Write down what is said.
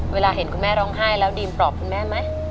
เห็นคุณแม่ร้องไห้แล้วดีมปลอบคุณแม่ไหม